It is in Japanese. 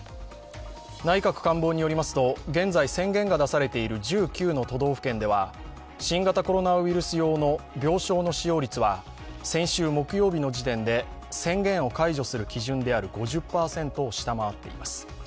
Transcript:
内閣官房によりますと、現在宣言が出されている１９の都道府県では新型コロナウイルス用の病床の使用率は先週木曜日の時点で宣言を解除する基準である５０％を下回っています。